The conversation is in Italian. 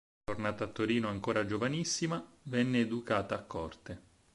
Tornata a Torino ancora giovanissima, venne educata a corte.